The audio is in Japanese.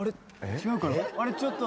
違うかな？